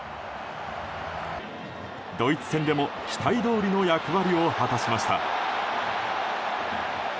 ドイツ戦でも期待どおりの役割を果たしました。